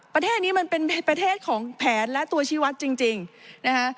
ประเทศนี้มันเป็นประเทศของแผนและตัวชีวัตรจริงนะคะ